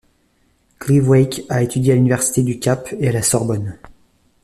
Clive Wake a étudié à l'université du Cap et à la Sorbonne.